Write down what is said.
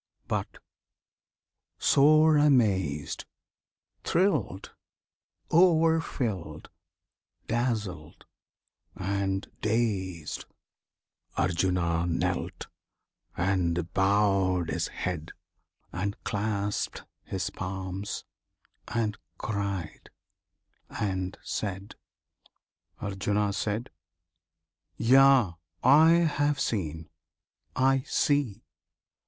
But, sore amazed, Thrilled, o'erfilled, dazzled, and dazed, Arjuna knelt; and bowed his head, And clasped his palms; and cried, and said: Arjuna. Yea! I have seen! I see!